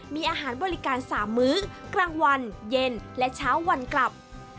มีอาหารบริการ๓มื้อกลางวันเย็นและเช้าวันกลับ